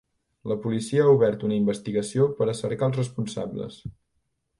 La policia ha obert una investigació per a cercar els responsables.